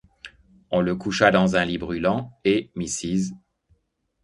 On le coucha dans un lit brûlant, et Mrs.